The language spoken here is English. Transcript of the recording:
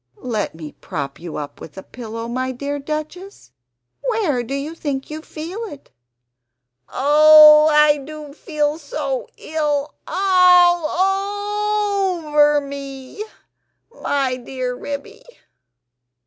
"Let me prop you up with a pillow, my dear Duchess; where do you think you feel it?" "Oh I do feel so ill ALL OVER me, my dear Ribby."